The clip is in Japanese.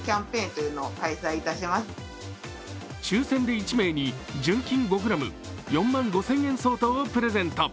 抽選で１名に純金５ｇ４万５０００円相当をプレゼント。